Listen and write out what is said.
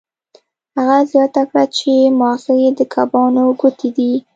هغه زیاته کړه چې ماغزه یې د کبانو ګوتې دي